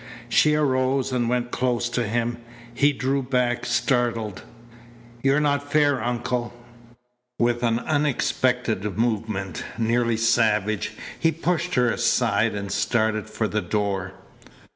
She arose and went close to him. He drew back, startled. "You're not fair, Uncle." With an unexpected movement, nearly savage, he pushed her aside and started for the door.